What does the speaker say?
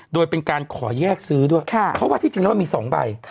โดยเป็นการขอแยกซื้อด้วยเพราะว่าที่จริงแล้วมันมี๒ใบ